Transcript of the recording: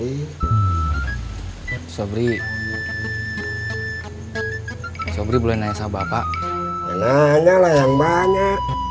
tetapi kamu yang dulu mengingat had patriarchek mpp dimana bayi hanya saya itu yang mengingat